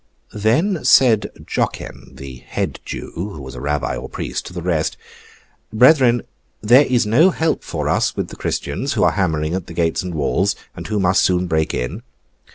Then said Jocen, the head Jew (who was a Rabbi or Priest), to the rest, 'Brethren, there is no hope for us with the Christians who are hammering at the gates and walls, and who must soon break in.